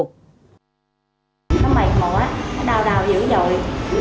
nó mệt mỏi đau đau dữ dội